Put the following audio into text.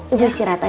ibu istirahat saja